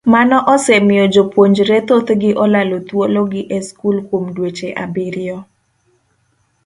Mano osemiyo jopuonjre thothgi olalo thuologi e skul kuom dweche abiriyo.